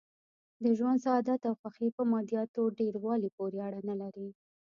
د ژوند سعادت او خوښي په مادیاتو ډېر والي پورې اړه نه لري.